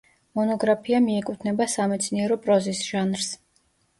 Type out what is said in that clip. მონოგრაფია მიეკუთვნება სამეცნიერო პროზის ჟანრს.